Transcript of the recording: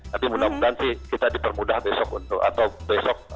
tapi mudah mudahan kita dipermudah besok